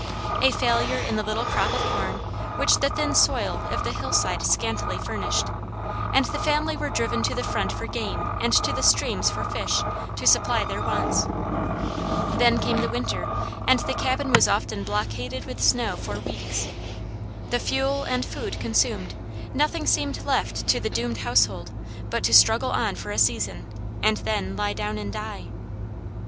A failure in the little crop of corn, which the thin soil of the hillside scantily furnished, and the family were driven to the front for game and to the streams for fish, to supply their wants. Then came the winter, and the cabin was often blockaded with snow for weeks. The fuel and food consumed, nothing seemed left to the doomed household but to struggle on for a season, and then lie down and die.